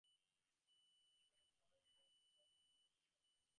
Initially Huawei mostly sold telephone exchange equipment from Hong Kong.